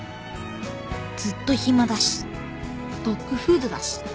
ずっと暇だしドッグフードだし。